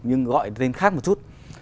nhưng gọi tên khác một chút